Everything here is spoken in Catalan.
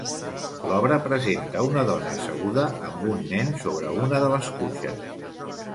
L'obra presenta una dona asseguda amb un nen sobre una de les cuixes.